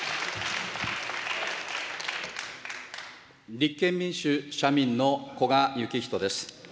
立憲民主・社民の古賀之士です。